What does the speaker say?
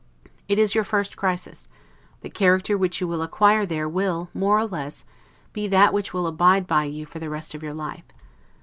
It is your first crisis: the character which you will acquire there will, more or less, be that which will abide by you for the rest of your life.